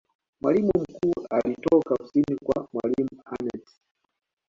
mwalimu mkuu alitoka ofisini kwa mwalimu aneth